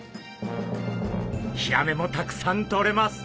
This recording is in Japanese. ヒラメもたくさんとれます。